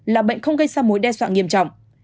là bệnh không gây ra mối đe dọa nghiêm trọng